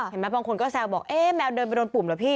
เห็นไหมบางคนก็แซวบอกแมวเดินไปโดนปุ่มเหรอพี่